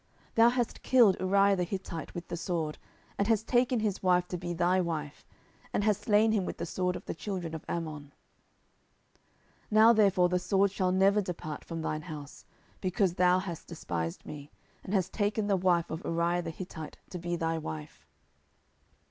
thou hast killed Uriah the Hittite with the sword, and hast taken his wife to be thy wife, and hast slain him with the sword of the children of Ammon. 10:012:010 Now therefore the sword shall never depart from thine house; because thou hast despised me, and hast taken the wife of Uriah the Hittite to be thy wife.